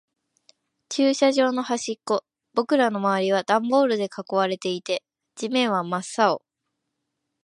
駐車場の端っこ。僕らの周りはダンボールで囲われていて、地面は真っ青。